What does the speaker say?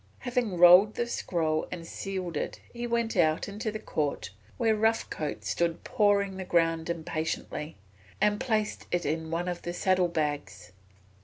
Having rolled the scroll and sealed it he went out into the court where Rough Coat stood pawing the ground impatiently, and placed it in one of the saddle bags.